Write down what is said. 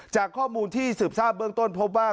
จากข้อมูลที่สืบทราบเบื้องต้นพบว่า